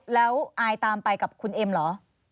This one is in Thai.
แล้วอายตามไปกับคุณเอ็มเหรอ